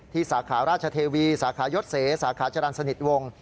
สาขาราชเทวีสาขายศเสสาขาจรรย์สนิทวงศ์